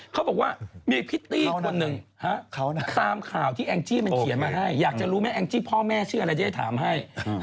เขาบอกว่ามีพิตตี้คนหนึ่งตามข่าวที่แองจี้มันเขียนมาให้อยากจะรู้ไหมแองจี้พ่อแม่ชื่ออะไรจะได้ถามให้